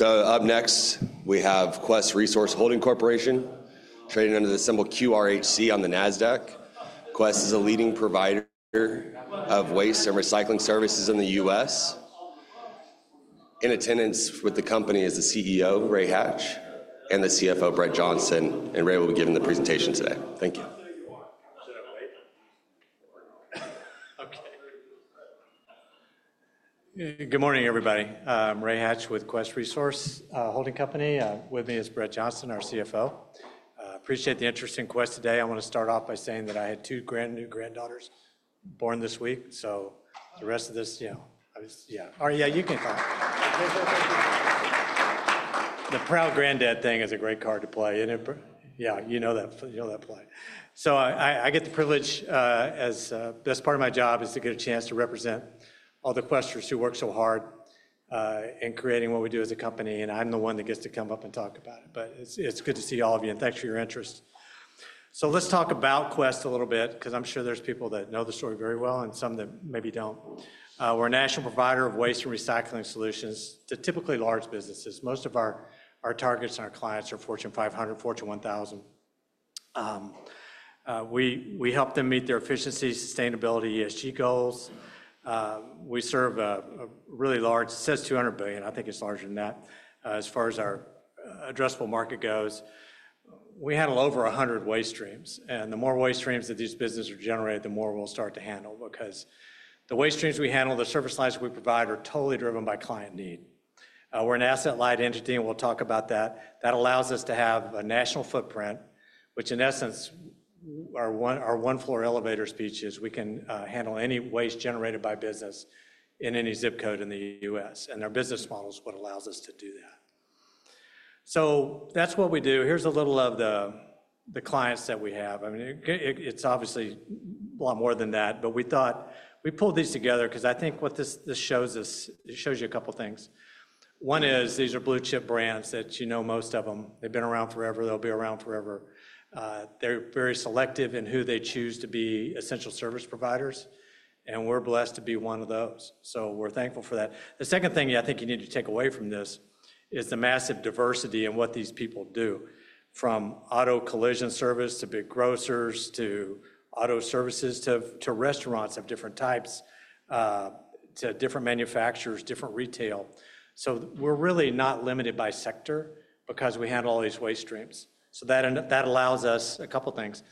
Up next, we have Quest Resource Holding Corporation, traded under the symbol QRHC on the NASDAQ. Quest is a leading provider of waste and recycling services in the U.S. In attendance with the company is the CEO, Ray Hatch, and the CFO, Brett Johnston. Ray will be giving the presentation today. Thank you. Good morning, everybody. I'm Ray Hatch with Quest Resource Holding Company. With me is Brett Johnston, our CFO. Appreciate the interest in Quest today. I want to start off by saying that I had two brand new granddaughters born this week. So the rest of this, you know, yeah. All right, yeah, you can come. The proud granddad thing is a great card to play. And yeah, you know that play. So I get the privilege, as best part of my job, is to get a chance to represent all the Questers who work so hard in creating what we do as a company. And I'm the one that gets to come up and talk about it. But it's good to see all of you. And thanks for your interest. So let's talk about Quest a little bit, because I'm sure there's people that know the story very well and some that maybe don't. We're a national provider of waste and recycling solutions to typically large businesses. Most of our targets and our clients are Fortune 500, Fortune 1000. We help them meet their efficiency, sustainability, ESG goals. We serve a really large, it says $200 billion. I think it's larger than that as far as our addressable market goes. We handle over 100 waste streams. And the more waste streams that these businesses are generating, the more we'll start to handle. Because the waste streams we handle, the service lines we provide are totally driven by client need. We're an asset-light entity, and we'll talk about that. That allows us to have a national footprint, which in essence are one-floor elevator speeches. We can handle any waste generated by business in any zip code in the U.S., and our business model is what allows us to do that, so that's what we do. Here's a little of the clients that we have. I mean, it's obviously a lot more than that, but we thought we pulled these together because I think what this shows us, it shows you a couple of things. One is, these are blue-chip brands that you know, most of them. They've been around forever. They'll be around forever. They're very selective in who they choose to be essential service providers, and we're blessed to be one of those, so we're thankful for that. The second thing I think you need to take away from this is the massive diversity in what these people do, from auto collision service to big grocers to auto services to restaurants of different types to different manufacturers, different retail. So we're really not limited by sector because we handle all these waste streams. So that allows us a couple of things.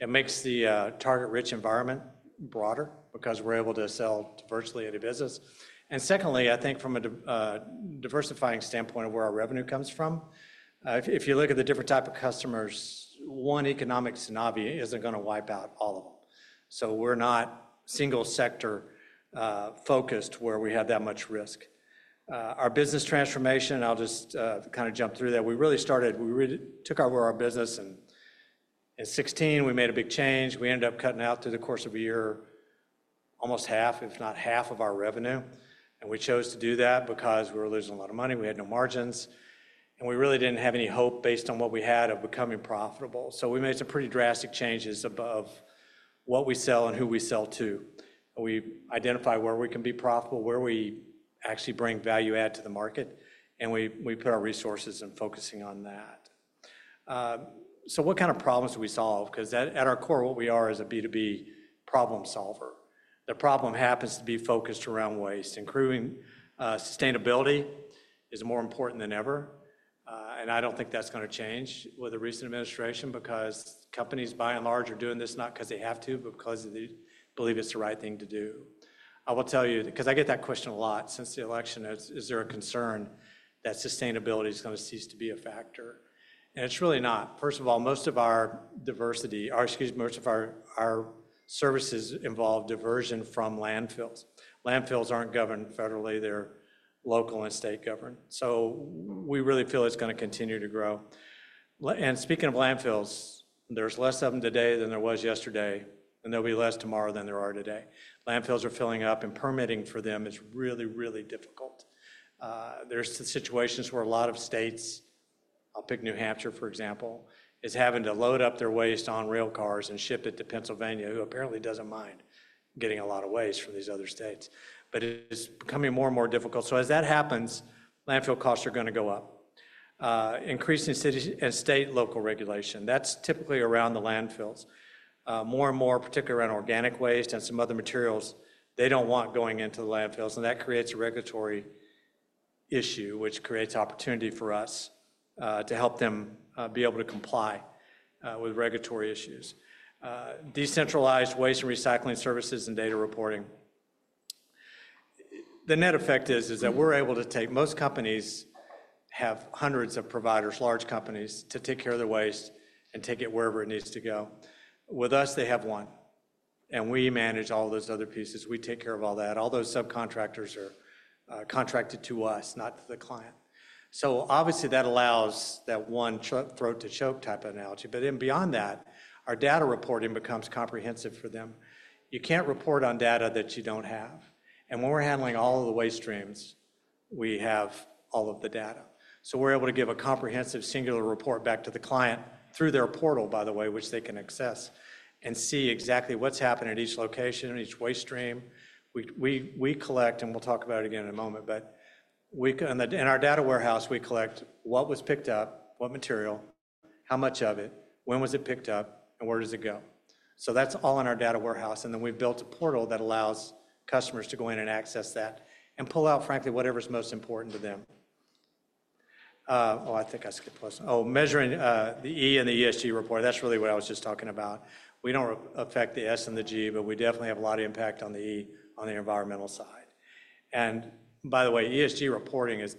It makes the target-rich environment broader because we're able to sell diversely at a business. And secondly, I think from a diversifying standpoint of where our revenue comes from, if you look at the different types of customers, one economic tsunami isn't going to wipe out all of them. So we're not single-sector focused where we have that much risk. Our business transformation, I'll just kind of jump through that. We really started, we took over our business in 2016. We made a big change. We ended up cutting out through the course of a year almost half, if not half, of our revenue. And we chose to do that because we were losing a lot of money. We had no margins. And we really didn't have any hope based on what we had of becoming profitable. So we made some pretty drastic changes above what we sell and who we sell to. We identify where we can be profitable, where we actually bring value add to the market. And we put our resources in focusing on that. So what kind of problems do we solve? Because at our core, what we are is a B2B problem solver. The problem happens to be focused around waste. Improving sustainability is more important than ever. I don't think that's going to change with the recent administration because companies by and large are doing this not because they have to, but because they believe it's the right thing to do. I will tell you, because I get that question a lot since the election, is there a concern that sustainability is going to cease to be a factor? And it's really not. First of all, most of our diversion, or excuse me, most of our services involve diversion from landfills. Landfills aren't governed federally. They're local and state governed. So we really feel it's going to continue to grow. And speaking of landfills, there's less of them today than there was yesterday. And there'll be less tomorrow than there are today. Landfills are filling up. And permitting for them is really, really difficult. There are situations where a lot of states, I'll pick New Hampshire, for example, is having to load up their waste on rail cars and ship it to Pennsylvania, who apparently doesn't mind getting a lot of waste from these other states. But it's becoming more and more difficult, so as that happens, landfill costs are going to go up. Increasing state and local regulation, that's typically around the landfills. More and more, particularly around organic waste and some other materials, they don't want going into the landfills. And that creates a regulatory issue, which creates opportunity for us to help them be able to comply with regulatory issues. Decentralized waste and recycling services and data reporting. The net effect is that we're able to take most companies have hundreds of providers, large companies, to take care of their waste and take it wherever it needs to go. With us, they have one. And we manage all those other pieces. We take care of all that. All those subcontractors are contracted to us, not to the client. So obviously, that allows that one throat-to-choke type of analogy. But then beyond that, our data reporting becomes comprehensive for them. You can't report on data that you don't have. And when we're handling all of the waste streams, we have all of the data. So we're able to give a comprehensive singular report back to the client through their portal, by the way, which they can access and see exactly what's happening at each location, each waste stream. We collect, and we'll talk about it again in a moment. But in our data warehouse, we collect what was picked up, what material, how much of it, when was it picked up, and where does it go. So that's all in our data warehouse. And then we've built a portal that allows customers to go in and access that and pull out, frankly, whatever's most important to them. Oh, I think I skipped one. Oh, measuring the E in the ESG report. That's really what I was just talking about. We don't affect the S and the G, but we definitely have a lot of impact on the E on the environmental side. And by the way, ESG reporting is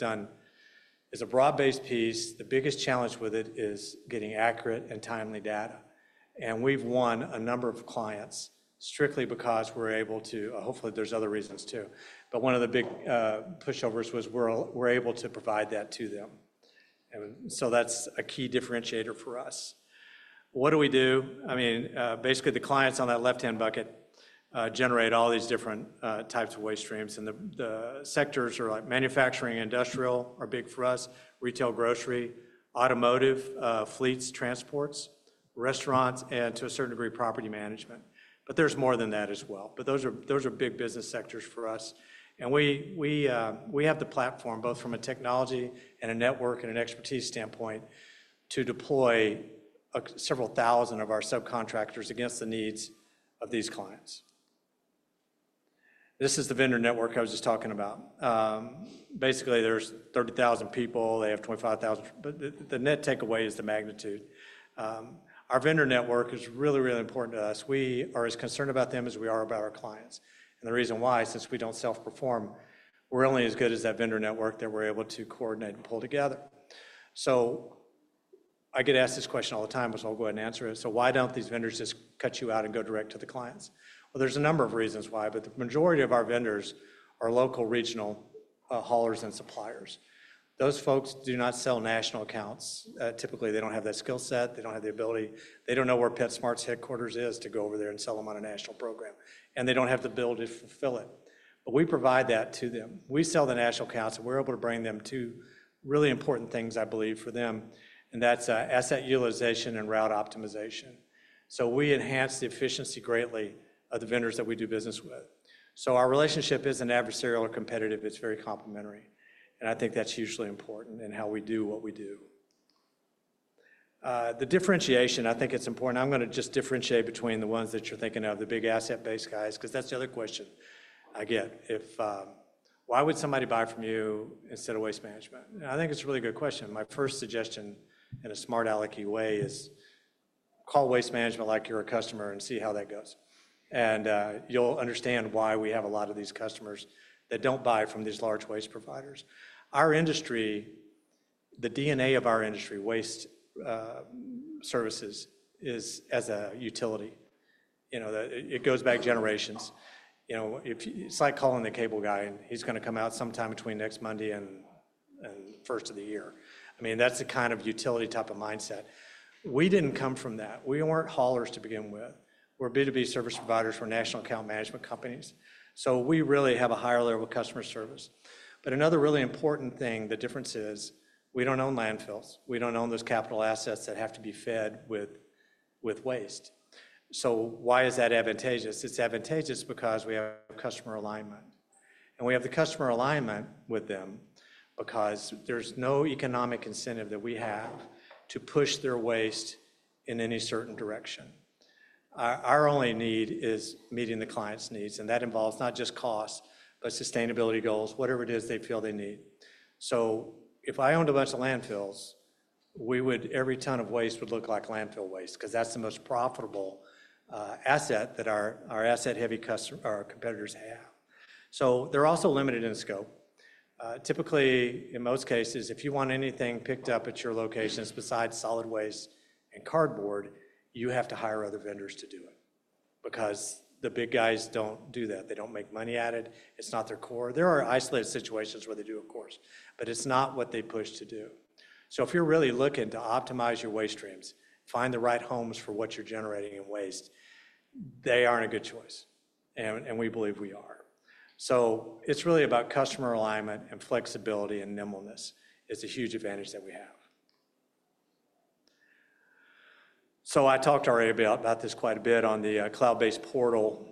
a broad-based piece. The biggest challenge with it is getting accurate and timely data. And we've won a number of clients strictly because we're able to, hopefully, there's other reasons too. But one of the big pushovers was we're able to provide that to them. And so that's a key differentiator for us. What do we do? I mean, basically, the clients on that left-hand bucket generate all these different types of waste streams. And the sectors are like manufacturing, industrial, are big for us: retail, grocery, automotive, fleets, transports, restaurants, and to a certain degree, property management. But there's more than that as well. But those are big business sectors for us. And we have the platform both from a technology and a network and an expertise standpoint to deploy several thousand of our subcontractors against the needs of these clients. This is the vendor network I was just talking about. Basically, there's 30,000 people. They have 25,000. But the net takeaway is the magnitude. Our vendor network is really, really important to us. We are as concerned about them as we are about our clients. And the reason why, since we don't self-perform, we're only as good as that vendor network that we're able to coordinate and pull together. So I get asked this question all the time, which I'll go ahead and answer it. So why don't these vendors just cut you out and go direct to the clients? Well, there's a number of reasons why. But the majority of our vendors are local, regional haulers and suppliers. Those folks do not sell national accounts. Typically, they don't have that skill set. They don't have the ability. They don't know where PetSmart's headquarters is to go over there and sell them on a national program. And they don't have the ability to fulfill it. But we provide that to them. We sell the national accounts, and we're able to bring them to really important things, I believe, for them. That's asset utilization and route optimization. We enhance the efficiency greatly of the vendors that we do business with. Our relationship isn't adversarial or competitive. It's very complementary. I think that's hugely important in how we do what we do. The differentiation, I think it's important. I'm going to just differentiate between the ones that you're thinking of, the big asset-based guys, because that's the other question I get. Why would somebody buy from you instead of Waste Management? I think it's a really good question. My first suggestion in a smart-alecky way is call Waste Management like you're a customer and see how that goes. You'll understand why we have a lot of these customers that don't buy from these large waste providers. Our industry, the DNA of our industry, waste services is as a utility. It goes back generations. It's like calling the cable guy. And he's going to come out sometime between next Monday and first of the year. I mean, that's the kind of utility type of mindset. We didn't come from that. We weren't haulers to begin with. We're B2B service providers. We're national account management companies. So we really have a higher level of customer service. But another really important thing, the difference is we don't own landfills. We don't own those capital assets that have to be fed with waste. So why is that advantageous? It's advantageous because we have customer alignment. And we have the customer alignment with them because there's no economic incentive that we have to push their waste in any certain direction. Our only need is meeting the client's needs. And that involves not just cost, but sustainability goals, whatever it is they feel they need. So if I owned a bunch of landfills, every ton of waste would look like landfill waste because that's the most profitable asset that our asset-heavy competitors have. So they're also limited in scope. Typically, in most cases, if you want anything picked up at your locations besides solid waste and cardboard, you have to hire other vendors to do it because the big guys don't do that. They don't make money at it. It's not their core. There are isolated situations where they do, of course. But it's not what they push to do. So if you're really looking to optimize your waste streams, find the right homes for what you're generating in waste, they aren't a good choice. And we believe we are. So it's really about customer alignment and flexibility and nimbleness is a huge advantage that we have. I talked to Ray about this quite a bit on the cloud-based portal.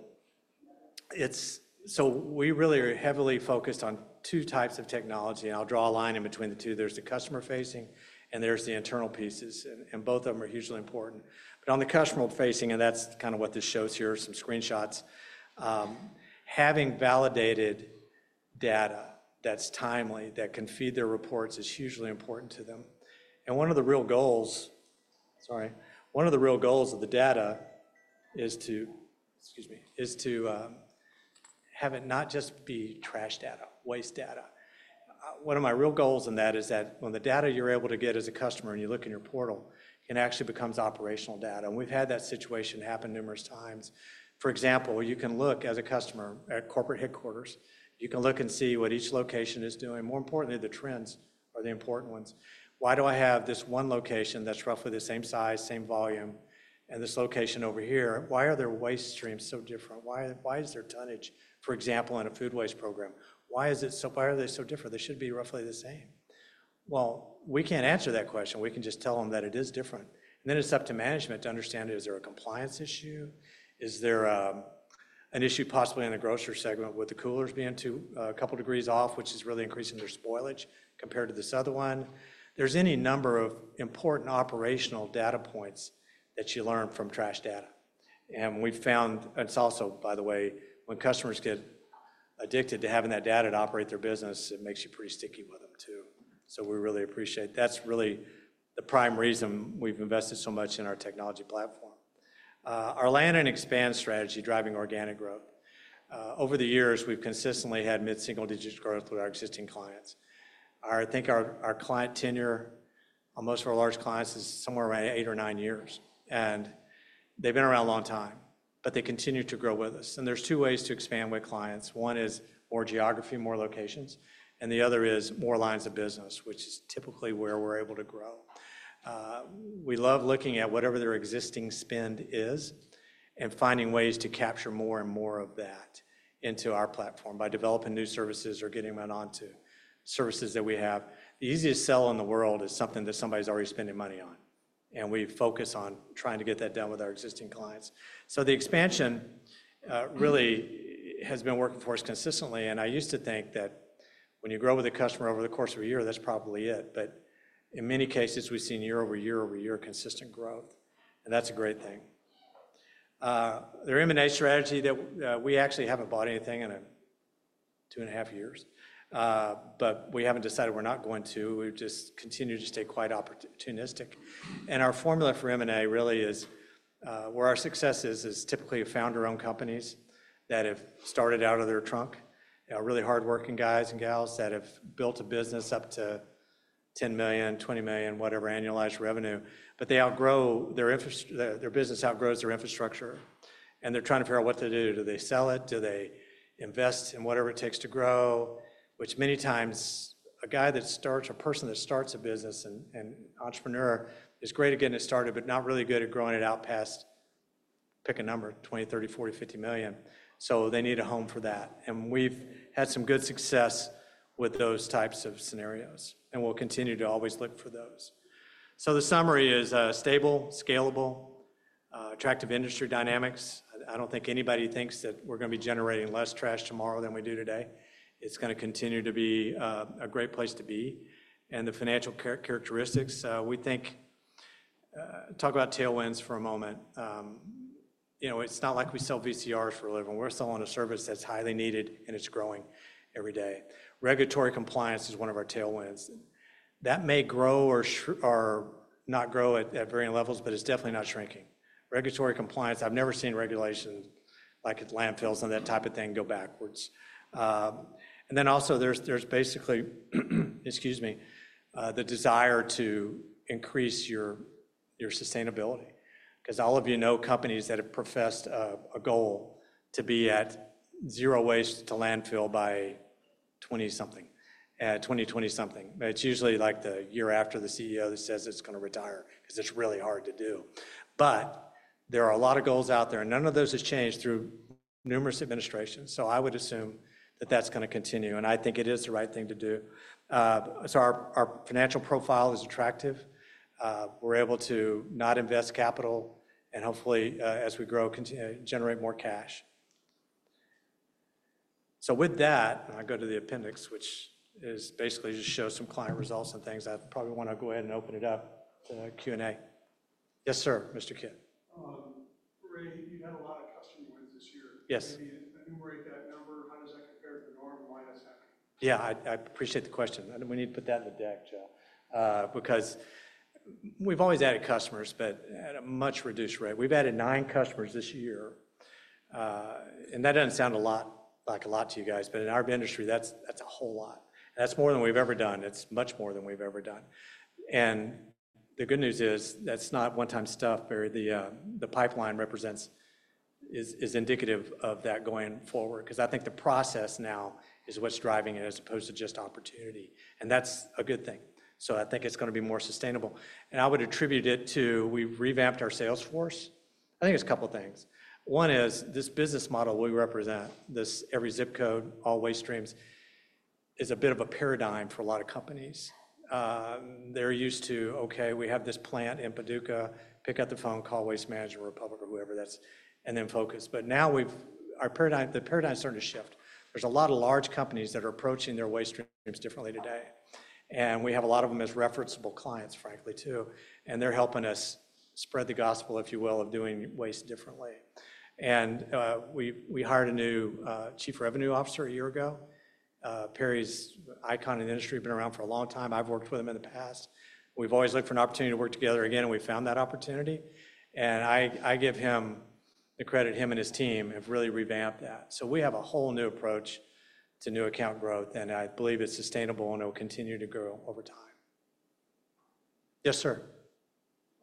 We really are heavily focused on two types of technology. I'll draw a line in between the two. There's the customer-facing, and there's the internal pieces. Both of them are hugely important. On the customer-facing, and that's kind of what this shows here, some screenshots, having validated data that's timely, that can feed their reports is hugely important to them. One of the real goals, sorry, one of the real goals of the data is to, excuse me, is to have it not just be trash data, waste data. One of my real goals in that is that when the data you're able to get as a customer and you look in your portal, it actually becomes operational data. We've had that situation happen numerous times. For example, you can look at a customer at corporate headquarters. You can look and see what each location is doing. More importantly, the trends are the important ones. Why do I have this one location that's roughly the same size, same volume, and this location over here? Why are their waste streams so different? Why is their tonnage, for example, in a food waste program? Why are they so different? They should be roughly the same. We can't answer that question. We can just tell them that it is different. And then it's up to management to understand, is there a compliance issue? Is there an issue possibly in the grocery segment with the coolers being a couple of degrees off, which is really increasing their spoilage compared to this other one? There's any number of important operational data points that you learn from trash data. And we've found, and it's also, by the way, when customers get addicted to having that data to operate their business, it makes you pretty sticky with them too. So we really appreciate that. That's really the prime reason we've invested so much in our technology platform. Our land and expand strategy driving organic growth. Over the years, we've consistently had mid-single digits growth with our existing clients. I think our client tenure on most of our large clients is somewhere around eight or nine years. And they've been around a long time, but they continue to grow with us. And there's two ways to expand with clients. One is more geography, more locations. And the other is more lines of business, which is typically where we're able to grow. We love looking at whatever their existing spend is and finding ways to capture more and more of that into our platform by developing new services or getting them onto services that we have. The easiest sell in the world is something that somebody's already spending money on, and we focus on trying to get that done with our existing clients, so the expansion really has been working for us consistently, and I used to think that when you grow with a customer over the course of a year, that's probably it, but in many cases, we've seen year over year over year consistent growth. And that's a great thing. Their M&A strategy, we actually haven't bought anything in two and a half years, but we haven't decided we're not going to. We've just continued to stay quite opportunistic. Our formula for M&A really is where our success is. It is typically founder-owned companies that have started out of their trunk, really hardworking guys and gals that have built a business up to $10 million, $20 million, whatever annualized revenue. But their business outgrows their infrastructure. And they're trying to figure out what to do. Do they sell it? Do they invest in whatever it takes to grow? Which many times, a guy that starts a business, an entrepreneur, is great at getting it started, but not really good at growing it out past, pick a number, $20 million, $30 million, $40 million, $50 million. So they need a home for that. And we've had some good success with those types of scenarios. And we'll continue to always look for those. So the summary is stable, scalable, attractive industry dynamics. I don't think anybody thinks that we're going to be generating less trash tomorrow than we do today. It's going to continue to be a great place to be. And the financial characteristics, we think talk about tailwinds for a moment. It's not like we sell VCRs for a living. We're selling a service that's highly needed, and it's growing every day. Regulatory compliance is one of our tailwinds. That may grow or not grow at varying levels, but it's definitely not shrinking. Regulatory compliance, I've never seen regulations like landfills and that type of thing go backwards. And then also, there's basically, excuse me, the desire to increase your sustainability. Because all of you know companies that have professed a goal to be at zero waste to landfill by 20-something, 2020-something. It's usually like the year after the CEO that says it's going to retire because it's really hard to do. But there are a lot of goals out there. And none of those has changed through numerous administrations. So I would assume that that's going to continue. And I think it is the right thing to do. So our financial profile is attractive. We're able to not invest capital and hopefully, as we grow, generate more cash. So with that, I'll go to the appendix, which basically just shows some client results and things. I probably want to go ahead and open it up to Q&A. Yes, sir, Mr. Kidd. Ray Hatch, you had a lot of customer wins this year. Yes. Can you narrate that number? How does that compare to the norm? Why is that? Yeah, I appreciate the question. We need to put that in the deck, Joe, because we've always added customers, but at a much reduced rate. We've added nine customers this year. And that doesn't sound like a lot to you guys, but in our industry, that's a whole lot. That's more than we've ever done. It's much more than we've ever done. And the good news is that's not one-time stuff. The pipeline is indicative of that going forward. Because I think the process now is what's driving it as opposed to just opportunity. And that's a good thing. So I think it's going to be more sustainable. And I would attribute it to we've revamped our sales force. I think it's a couple of things. One is this business model we represent, this every zip code, all waste streams, is a bit of a paradigm for a lot of companies. They're used to, okay, we have this plant in Paducah, pick up the phone, call Waste Management or Republic or whoever that is, and then focus. But now our paradigm, the paradigm is starting to shift. There's a lot of large companies that are approaching their waste streams differently today. And we have a lot of them as referenceable clients, frankly, too. And they're helping us spread the gospel, if you will, of doing waste differently. And we hired a new Chief Revenue Officer a year ago. Perry's an icon in the industry has been around for a long time. I've worked with him in the past. We've always looked for an opportunity to work together again, and we found that opportunity. And I give him the credit. He and his team have really revamped that. So we have a whole new approach to new account growth. And I believe it's sustainable, and it will continue to grow over time. Yes, sir.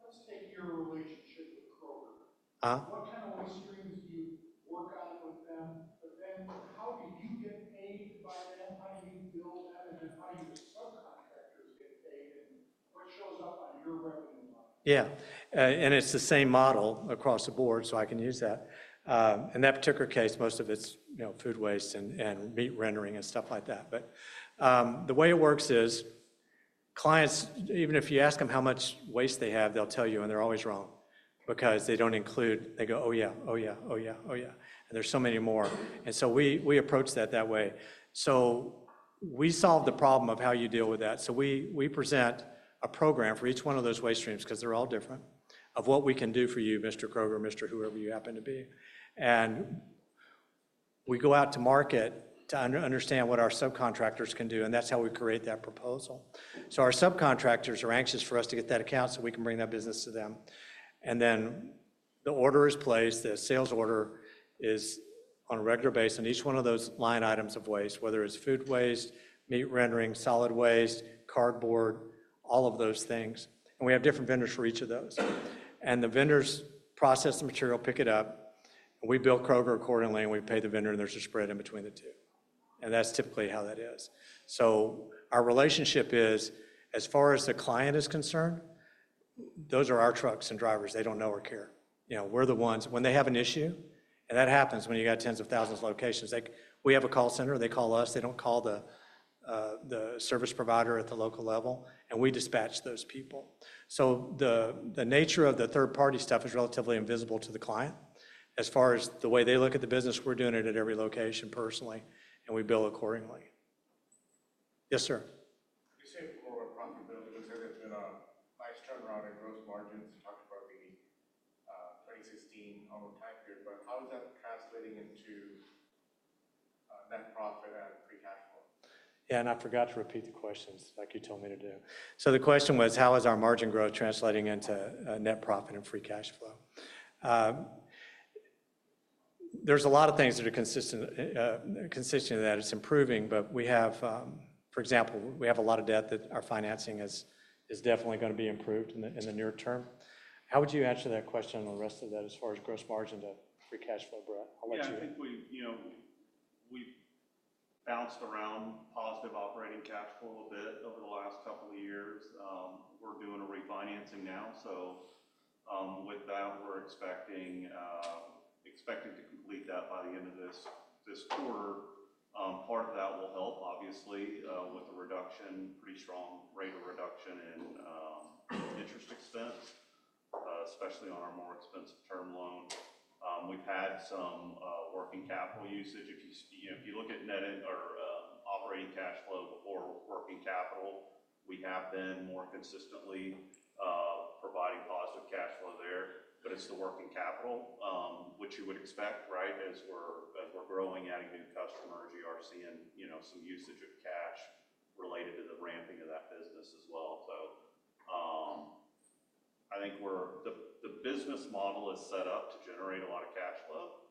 Let's take your relationship with Kroger. What kind of waste streams do you work on with them? But then how do you get paid by them? How do you build that? And then how do your subcontractors get paid? And what shows up on your revenue model? Yeah. And it's the same model across the board, so I can use that. In that particular case, most of it's food waste and meat rendering and stuff like that. But the way it works is clients, even if you ask them how much waste they have, they'll tell you, and they're always wrong because they don't include; they go, "Oh yeah, oh yeah, oh yeah, oh yeah." And there's so many more. And so we approach that way. So we solve the problem of how you deal with that. So we present a program for each one of those waste streams because they're all different of what we can do for you, Mr. Kroger, Mr. whoever you happen to be. And we go out to market to understand what our subcontractors can do. And that's how we create that proposal. So our subcontractors are anxious for us to get that account so we can bring that business to them. And then the order is placed. The sales order is on a regular basis on each one of those line items of waste, whether it's food waste, meat rendering, solid waste, cardboard, all of those things. And we have different vendors for each of those. And the vendors process the material, pick it up. We bill Kroger accordingly, and we pay the vendor, and there's a spread in between the two. That's typically how that is. Our relationship is, as far as the client is concerned, those are our trucks and drivers. They don't know or care. We're the ones. When they have an issue, and that happens when you got tens of thousands of locations, we have a call center. They call us. They don't call the service provider at the local level. We dispatch those people. The nature of the third-party stuff is relatively invisible to the client. As far as the way they look at the business, we're doing it at every location personally, and we bill accordingly. Yes, sir. You said before about profitability. You said there's been a nice turnaround in gross margins. You talked about the 2016 time period. But how is that translating into net profit and free cash flow? Yeah, and I forgot to repeat the questions like you told me to do. So the question was, how is our margin growth translating into net profit and free cash flow? There's a lot of things that are consistent in that it's improving. But for example, we have a lot of debt that our financing is definitely going to be improved in the near term. How would you answer that question on the rest of that as far as gross margin to free cash flow, Brett? I'll let you. Yeah, I think we've bounced around positive operating cash flow a bit over the last couple of years. We're doing a refinancing now. So with that, we're expecting to complete that by the end of this quarter. Part of that will help, obviously, with the reduction, pretty strong rate of reduction in interest expense, especially on our more expensive term loan. We've had some working capital usage. If you look at operating cash flow before working capital, we have been more consistently providing positive cash flow there. But it's the working capital, which you would expect, right, as we're growing, adding new customers, you are seeing some usage of cash related to the ramping of that business as well. So I think the business model is set up to generate a lot of cash flow.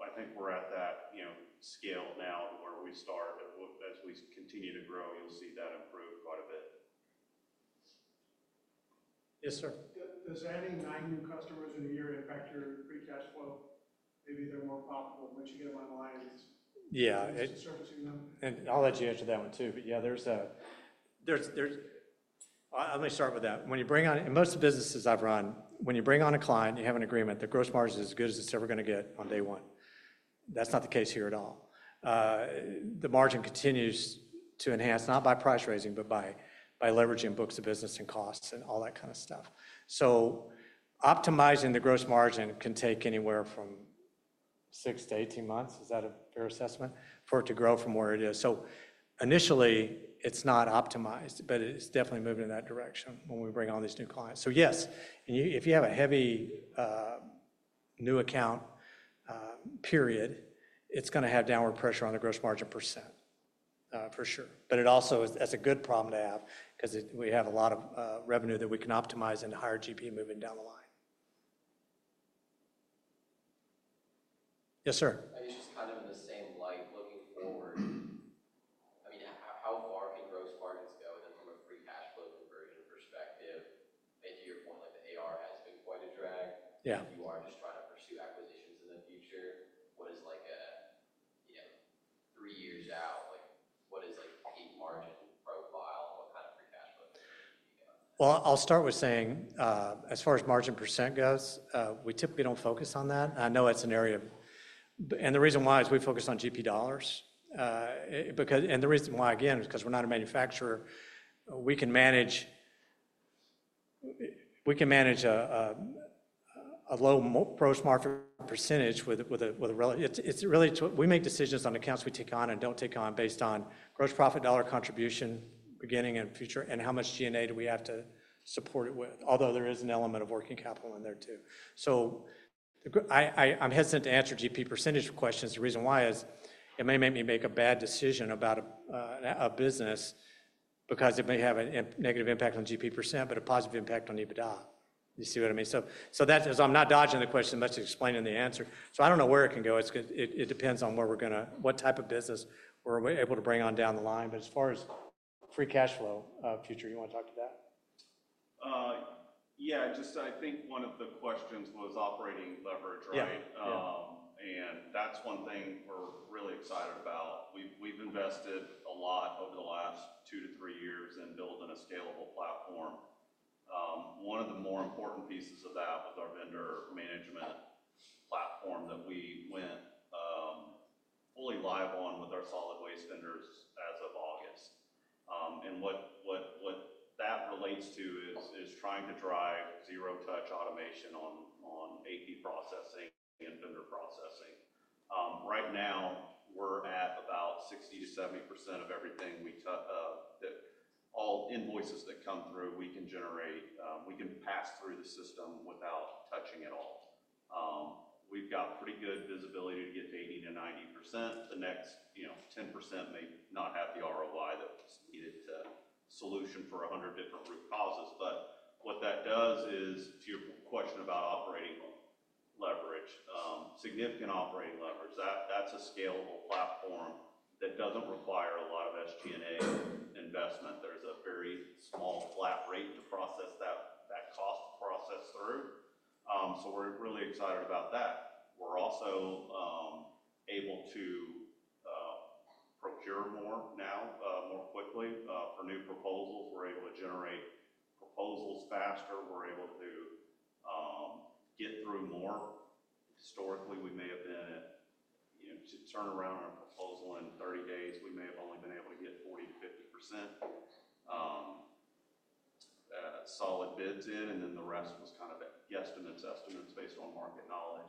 I think we're at that scale now to where we start. As we continue to grow, you'll see that improve quite a bit. Yes, sir. Does adding nine new customers in a year impact your free cash flow? Maybe they're more profitable, but you get online and start to see them. And I'll let you answer that one too. But yeah, there's a, let me start with that. When you bring on, in most businesses I've run, when you bring on a client, you have an agreement. The gross margin is as good as it's ever going to get on day one. That's not the case here at all. The margin continues to enhance, not by price raising, but by leveraging books of business and costs and all that kind of stuff. So optimizing the gross margin can take anywhere from 6-18 months. Is that a fair assessment for it to grow from where it is? So initially, it's not optimized, but it's definitely moving in that direction when we bring on these new clients. So yes, if you have a heavy new account period, it's going to have downward pressure on the gross margin %, for sure. But it also is a good problem to have because we have a lot of revenue that we can optimize and hire GP moving down the line. Yes, sir. I guess just kind of in the same light, looking forward, I mean, how far can gross margins go? And then from a free cash flow conversion perspective, maybe to your point, the AR has been quite a drag. If you are just trying to pursue acquisitions in the future, what is like three years out? What is the margin profile? What kind of free cash flow? Well, I'll start with saying, as far as margin percent goes, we typically don't focus on that. I know it's an area of interest, and the reason why is we focus on GP dollars. And the reason why, again, is because we're not a manufacturer. We can manage a low gross margin percentage with a. It's really we make decisions on accounts we take on and don't take on based on gross profit dollar contribution beginning and future and how much G&A do we have to support it with, although there is an element of working capital in there too. So I'm hesitant to answer GP percentage questions. The reason why is it may make me make a bad decision about a business because it may have a negative impact on GP percent, but a positive impact on EBITDA. You see what I mean? So I'm not dodging the question much to explain in the answer. So I don't know where it can go. It depends on what type of business we're able to bring on down the line. But as far as free cash flow future, you want to talk to that? Yeah. I just think one of the questions was operating leverage, right? And that's one thing we're really excited about. We've invested a lot over the last two to three years in building a scalable platform. One of the more important pieces of that was our vendor management platform that we went fully live on with our solid waste vendors as of August. And what that relates to is trying to drive zero-touch automation on AP processing and vendor processing. Right now, we're at about 60%-70% of everything we—all invoices that come through, we can generate; we can pass through the system without touching at all. We've got pretty good visibility to get to 80%-90%. The next 10% may not have the ROI that we needed to solution for 100 different root causes. But what that does is, to your question about operating leverage, significant operating leverage, that's a scalable platform that doesn't require a lot of SG&A investment. There's a very small flat rate to process that cost process through. So we're really excited about that. We're also able to procure more now, more quickly. For new proposals, we're able to generate proposals faster. We're able to get through more. Historically, we may have been at, to turn around a proposal in 30 days, we may have only been able to get 40%-50% solid bids in, and then the rest was kind of guesstimates, estimates based on market knowledge.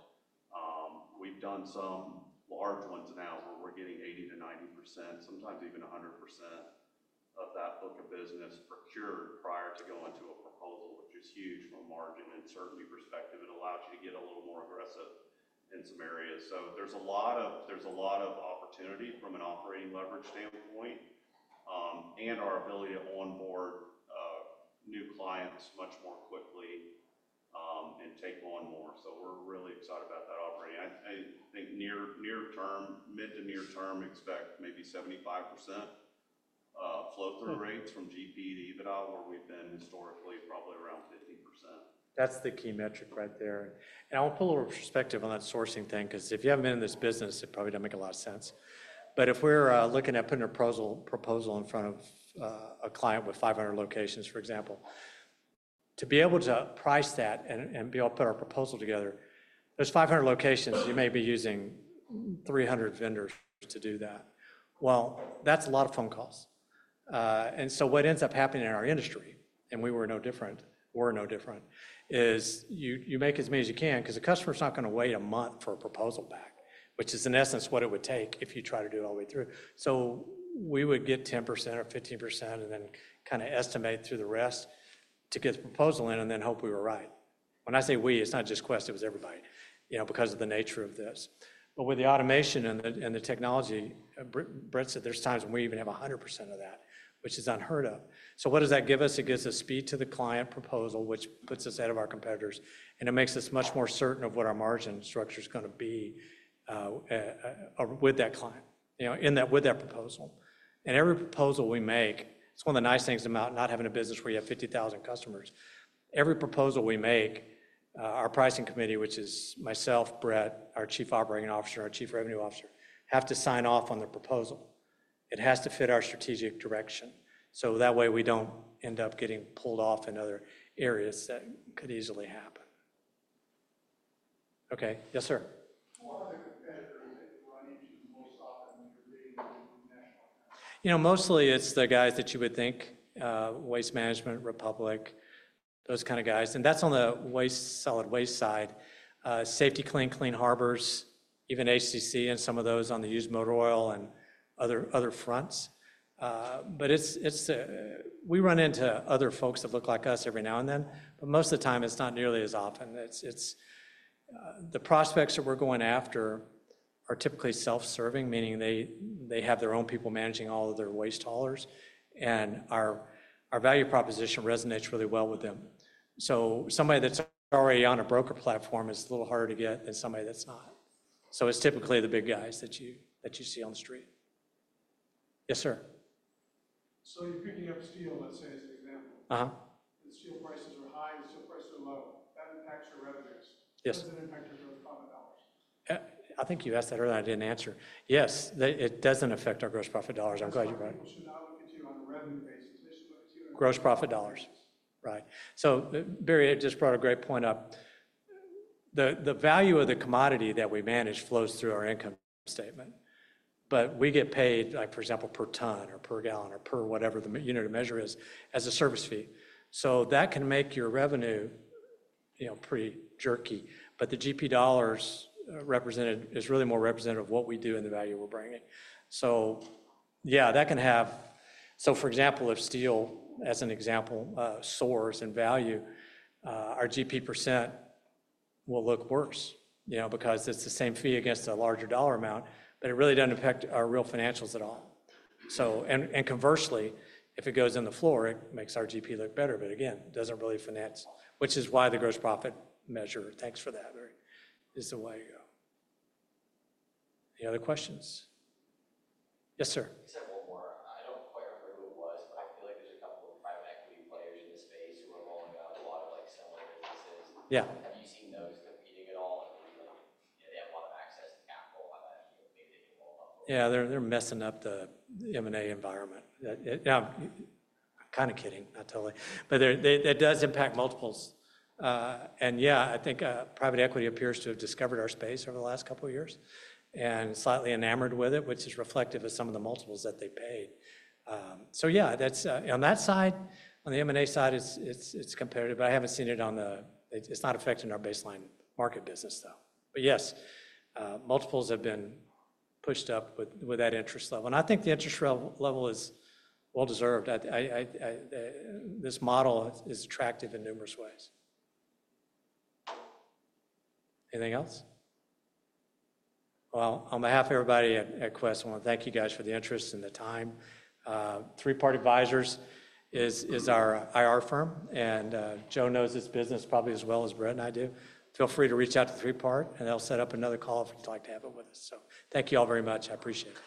We've done some large ones now where we're getting 80%-90%, sometimes even 100% of that book of business procured prior to going to a proposal, which is huge from a margin and certainty perspective. It allows you to get a little more aggressive in some areas. So there's a lot of opportunity from an operating leverage standpoint and our ability to onboard new clients much more quickly and take on more. So we're really excited about that operating. I think near-term, mid to near-term, expect maybe 75% flow-through rates from GP to EBITDA, where we've been historically probably around 50%. That's the key metric right there. And I want to pull a perspective on that sourcing thing because if you haven't been in this business, it probably doesn't make a lot of sense. But if we're looking at putting a proposal in front of a client with 500 locations, for example, to be able to price that and be able to put our proposal together, there's 500 locations. You may be using 300 vendors to do that. That's a lot of phone calls. What ends up happening in our industry, and we were no different, we're no different, is you make as many as you can because a customer's not going to wait a month for a proposal back, which is, in essence, what it would take if you try to do it all the way through. We would get 10% or 15% and then kind of estimate through the rest to get the proposal in and then hope we were right. When I say we, it's not just Quest. It was everybody because of the nature of this. With the automation and the technology, Brett said, there's times when we even have 100% of that, which is unheard of. What does that give us? It gives us speed to the client proposal, which puts us ahead of our competitors. It makes us much more certain of what our margin structure is going to be with that client, with that proposal. Every proposal we make, it's one of the nice things about not having a business where you have 50,000 customers. Every proposal we make, our pricing committee, which is myself, Brett, our chief operating officer, our chief revenue officer, have to sign off on the proposal. It has to fit our strategic direction. So that way, we don't end up getting pulled off in other areas that could easily happen. Okay. Yes, sir. Who are the competitors that you run into most often when you're bidding on national accounts? Mostly, it's the guys that you would think, Waste Management, Republic, those kind of guys. And that's on the solid waste side. Safety-Kleen, Clean Harbors, even HCC and some of those on the used motor oil and other fronts, but we run into other folks that look like us every now and then, but most of the time, it's not nearly as often. The prospects that we're going after are typically self-serving, meaning they have their own people managing all of their waste haulers, and our value proposition resonates really well with them, so somebody that's already on a broker platform is a little harder to get than somebody that's not, so it's typically the big guys that you see on the street. Yes, sir, so you're picking up steel, let's say, as an example, and the steel prices are high and the steel prices are low. That impacts your revenues. Does it impact your gross profit dollars? I think you asked that earlier. I didn't answer. Yes, it doesn't affect our gross profit dollars. I'm glad you brought it. Should I look at you on a revenue basis? They should look at you on a revenue. Gross profit dollars. Right. So Barry just brought a great point up. The value of the commodity that we manage flows through our income statement. But we get paid, for example, per ton or per gallon or per whatever the unit of measure is, as a service fee. So that can make your revenue pretty jerky. But the GP dollars is really more representative of what we do and the value we're bringing. So yeah, that can have, so for example, if steel, as an example, soars in value, our GP% will look worse because it's the same fee against a larger dollar amount, but it really doesn't affect our real financials at all. And conversely, if it goes in the floor, it makes our GP look better. But again, it doesn't really finance, which is why the gross profit measure, thanks for that, Barry, is the way to go. Any other questions? Yes, sir. You said one more. I don't quite remember who it was, but I feel like there's a couple of private equity players in this space who are rolling out a lot of similar businesses. Have you seen those competing at all? And they have a lot of access to capital. How about maybe they can roll up? Yeah, they're messing up the M&A environment. Now, I'm kind of kidding. Not totally. But it does impact multiples. Yeah, I think private equity appears to have discovered our space over the last couple of years and slightly enamored with it, which is reflective of some of the multiples that they paid. So yeah, on that side, on the M&A side, it's competitive. But I haven't seen it on the. It's not affecting our baseline market business, though. But yes, multiples have been pushed up with that interest level. And I think the interest level is well-deserved. This model is attractive in numerous ways. Anything else? On behalf of everybody at Quest, I want to thank you guys for the interest and the time. Three Part Advisors is our IR firm. And Joe knows this business probably as well as Brett and I do. Feel free to reach out to Three Part, and they'll set up another call if you'd like to have it with us. Thank you all very much. I appreciate it.